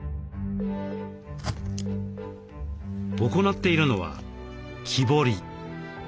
行っているのは木彫り。